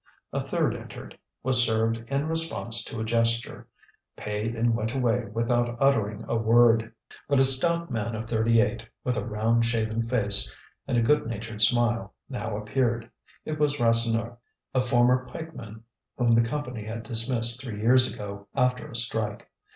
A third entered, was served in response to a gesture, paid and went away without uttering a word. But a stout man of thirty eight, with a round shaven face and a good natured smile, now appeared. It was Rasseneur, a former pikeman whom the Company had dismissed three years ago, after a strike.